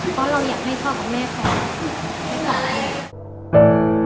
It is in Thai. เพราะเราอยากให้เข้ากับแม่เขา